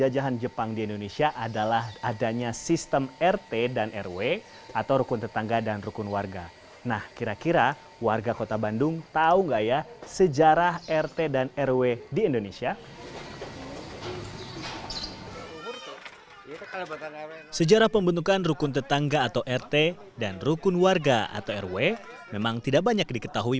jepang jawa tengah